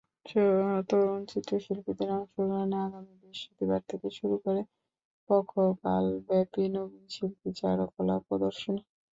তরুণ চারুশিল্পীদের অংশগ্রহণে আগামী বৃহস্পতিবার থেকে শুরু হচ্ছে পক্ষকালব্যাপী নবীন শিল্পী চারুকলা প্রদর্শনী।